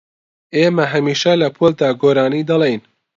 ئێمە هەمیشە لە پۆلدا گۆرانی دەڵێین.